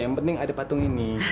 yang penting ada patung ini